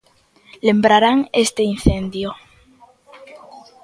Lembrarán este incendio.